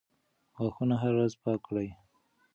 غاښونه هره ورځ پاک کړئ.